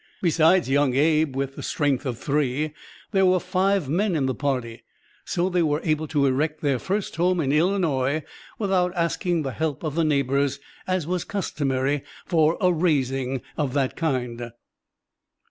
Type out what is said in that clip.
Besides young Abe, with the strength of three, there were five men in the party, so they were able to erect their first home in Illinois without asking the help of the neighbors, as was customary for a "raising" of that kind.